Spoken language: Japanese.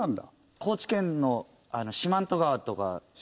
高知県の四万十川とか近い。